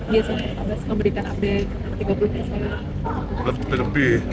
iya saya memberikan update tiga puluh nya saya